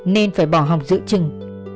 nên phải bỏ học giữ chừng